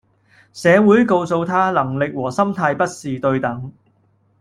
社會告訴他能力和心態不是對等